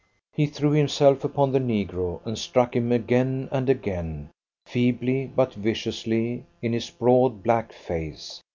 He threw himself upon the negro, and struck him again and again, feebly but viciously, in his broad, black face.